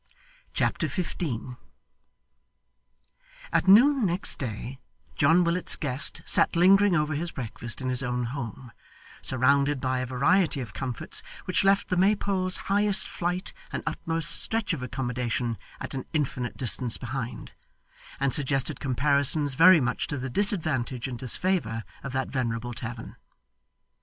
Chapter 15 At noon next day, John Willet's guest sat lingering over his breakfast in his own home, surrounded by a variety of comforts, which left the Maypole's highest flight and utmost stretch of accommodation at an infinite distance behind, and suggested comparisons very much to the disadvantage and disfavour of that venerable tavern.